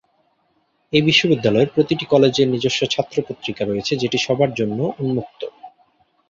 এই বিশ্ববিদ্যালয়ের প্রতিটি কলেজের নিজস্ব "ছাত্র পত্রিকা" রয়েছে যেটি সবার জন্য উন্মুক্ত।